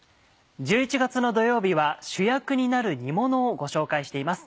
１１月の土曜日は主役になる煮ものをご紹介しています。